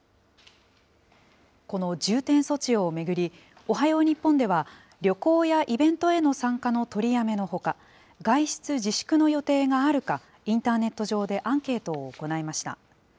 この重点措置を巡り、おはよう日本では、旅行やイベントへの参加の取りやめのほか、外出自粛の予定があるか、インターネット上でアンケートを行いました。